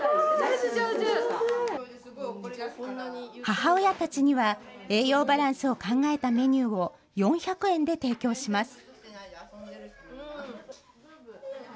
母親たちには、栄養バランスを考えたメニューを４００円で提供します。